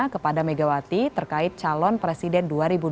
kepada megawati terkait calon presiden dua ribu dua puluh